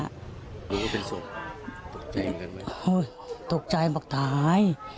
รู้ว่าเป็นศพตกใจเหมือนกันไหมโอ้ยตกใจมากตาย